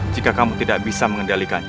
jika kamu tidak bisa mengendalikannya